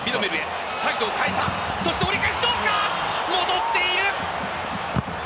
折り返しどうか、戻っている。